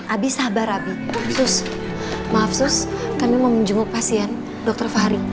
abik pengen ketemu om dokter